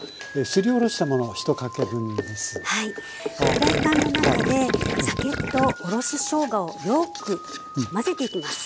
フライパンの中で酒とおろししょうがをよく混ぜていきます。